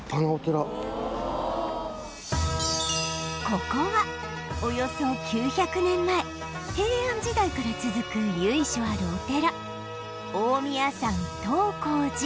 ここはおよそ９００年前平安時代から続く由緒あるお寺大宮山東光寺